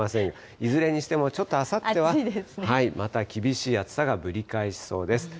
いずれにしてもちょっとあさっては、また厳しい暑さがぶり返しそうです。